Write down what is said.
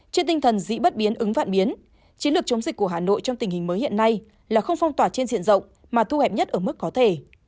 trên tinh thần dĩ bất biến ứng vạn biến chiến lược chống dịch của hà nội trong tình hình mới hiện nay là không phong tỏa trên diện rộng mà thu hẹp nhất ở mức có thể